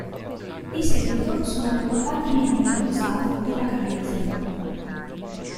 Di seguito sono riportati i membri dello staff della Cavese.